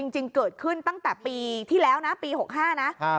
จริงเกิดขึ้นตั้งแต่ปีที่แล้วนะปี๖๕นะ